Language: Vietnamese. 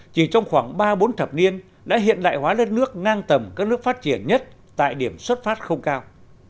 chỉ trong khoảng ba bốn thập niên đã hiện đại hóa đất nước ngang tầm các nước phát triển nhất tại điểm xuất phát không cao